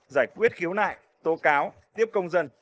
giải quyết khiếu nại tô cáo tiếp công dân